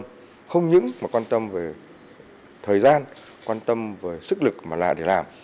chúng tôi rất quan tâm không những mà quan tâm về thời gian quan tâm về sức lực mà là để làm